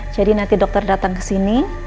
jadi nanti dokter datang kesini